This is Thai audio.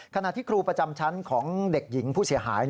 ขณะที่ครูประจำชั้นของเด็กหญิงผู้เสียหาย